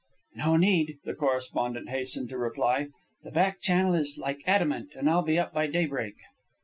"No need," the correspondent hastened to reply. "The back channel is like adamant, and I'll be up by daybreak."